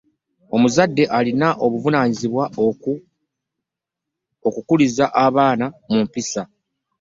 Omuzadde alina obuvunaanyizibwa okukuliza abaana mu mpisa.